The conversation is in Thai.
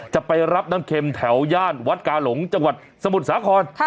จะไปรับน้ำเข็มแถวย่านวัดกาหลงจังหวัดสมุทรสาคร